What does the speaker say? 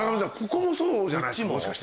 ここもそうじゃないですか？